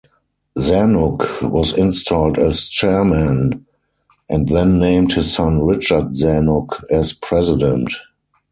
Zanuck was installed as chairman, and then named his son Richard Zanuck as president.